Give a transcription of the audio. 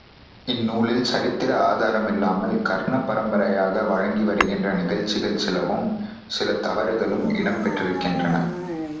இந்நூலில் சரித்திர ஆதாரமில்லாமல் கர்ண பரம்பரையாக வழங்கி வருகின்ற நிகழ்ச்சிகள் சிலவும், சில தவறுகளும் இடம் பெற்றிருக்கின்றன.